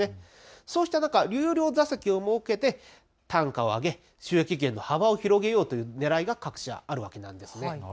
そうした中、有料座席を設けて単価を上げ、収益源の幅を広げようというねらいが各社あるわけなんです。